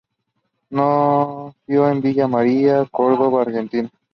Nacido en Villa María, Córdoba, Argentina.